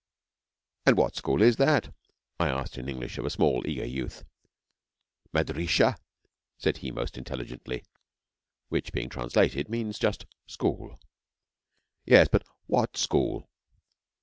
'And what school is that?' I asked in English of a small, eager youth. 'Madrissah,' said he most intelligently, which being translated means just 'school.' 'Yes, but what school?'